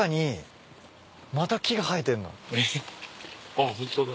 あっホントだ。